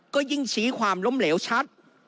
ก็ยิ่งชี้ความล้มเหลวชัด